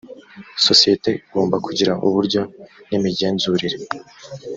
sosiyete igomba kugira uburyo n imigenzurire